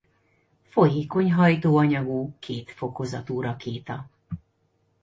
Folyékony hajtóanyagú kétfokozatú rakéta.